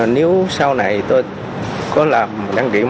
nếu sau này tôi có làm đăng kiểm